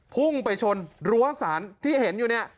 พุ่งไปชนรั้วสารที่เห็นอยู่เนี่ย